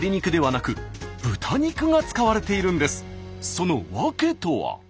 その訳とは？